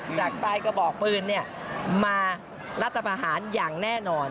จากปลายกระบอกปืนมารัฐประหารอย่างแน่นอน